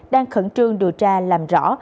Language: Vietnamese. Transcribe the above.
đang khẩn trương điều tra làm rõ